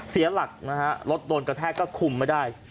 เสียหลักนะฮะรถโดนกระแทกก็คุมไม่ได้